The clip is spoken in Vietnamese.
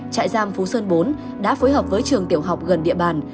trại giam phú sơn bốn đã phối hợp với trường tiểu học gần địa bàn